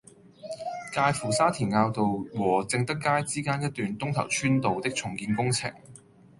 介乎沙田坳道和正德街之間一段東頭村道的重建工程